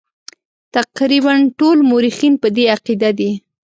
تقریبا ټول مورخین په دې عقیده دي.